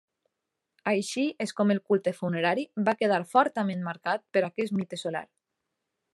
Així és com el culte funerari va quedar fortament marcat per aquest mite solar.